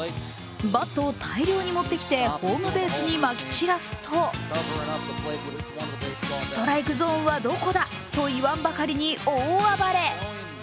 バットを大量に持ってきてホームベースにまき散らすと、ストライクゾーンはどこだと言わんばかりに大暴れ。